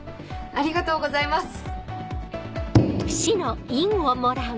ありがとうございます。